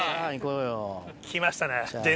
きましたね。